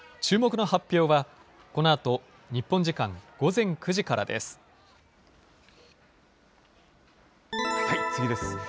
注目の発表は、このあと日本時間午前９時からです。